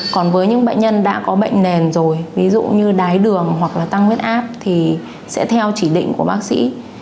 còn với những bệnh nhân đã có bệnh nền rồi ví dụ như đái đường hoặc là tăng huyết áp thì sẽ theo chỉ định của bác sĩ